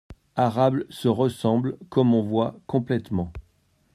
arabe se ressemblent, comme on voit, complètement.